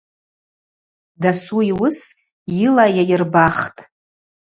Дасу йуыс йыла йайырбахтӏ.